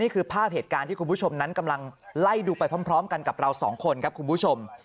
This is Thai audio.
ภาพเหตุการณ์ที่คุณผู้ชมนั้นกำลังไล่ดูไปพร้อมกันกับเราสองคนครับคุณผู้ชม